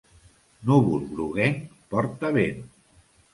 Núvol groguenc porta vent.